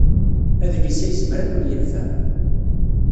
Adlis-a yezmer ad ken-yenfeɛ.